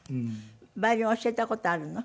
ヴァイオリン教えた事あるの？